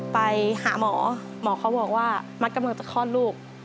ไปหาหมอหมอเขาบอกว่ามัดกำลังจะคลอดลูก